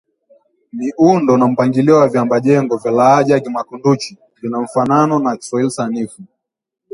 miundo na mpangilio wa viambajengo vya lahaja ya Kimakunduchi vina mfanano na Kiswahili sanifu